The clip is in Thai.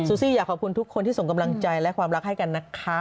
ซี่อยากขอบคุณทุกคนที่ส่งกำลังใจและความรักให้กันนะคะ